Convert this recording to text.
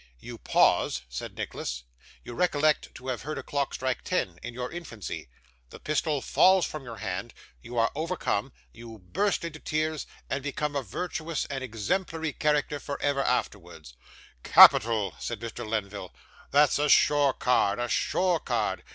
'You pause,' said Nicholas; 'you recollect to have heard a clock strike ten in your infancy. The pistol falls from your hand you are overcome you burst into tears, and become a virtuous and exemplary character for ever afterwards.' 'Capital!' said Mr. Lenville: 'that's a sure card, a sure card.